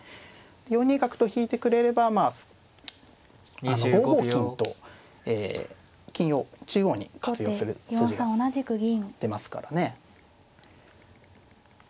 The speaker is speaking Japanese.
４二角と引いてくれればまあ５五金とえ金を中央に活用する筋が出ますからね。